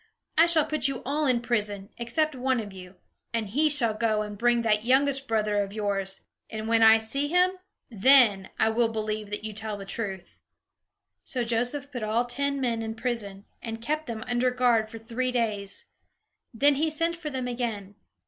I shall put you all in prison, except one of you; and he shall go and bring that youngest brother of yours; and when I see him, then I will believe that you tell the truth." So Joseph put all the ten men in prison, and kept them under guard for three days; then he sent for them again.